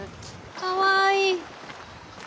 かわいい。